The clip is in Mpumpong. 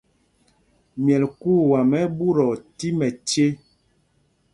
Myɛl kuu wam ɛ́ ɛ́ ɓutɔɔ tí mɛce.